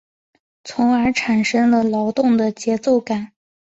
从而产生了劳动的节奏感。